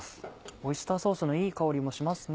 オイスターソースのいい香りもしますね。